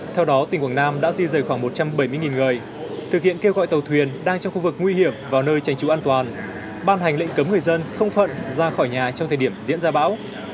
theo đó tỉnh quảng nam đã di rời khoảng một trăm bảy mươi người thực hiện kêu gọi tàu thuyền đang trong khu vực nguy hiểm vào nơi tránh trú an toàn ban hành lệnh cấm người dân không phận ra khỏi nhà trong thời điểm diễn ra bão